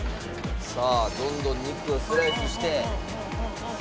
さあどんどん肉をスライスして。